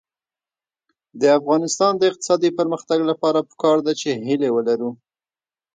د افغانستان د اقتصادي پرمختګ لپاره پکار ده چې هیلې ولرو.